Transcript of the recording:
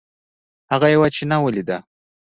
هغه یوه چینه ولیده.